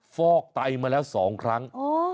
ฟอกไตมาแล้ว๒ครั้ง